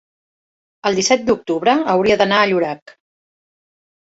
el disset d'octubre hauria d'anar a Llorac.